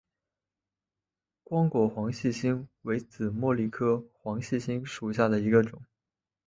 光果黄细心为紫茉莉科黄细心属下的一个种。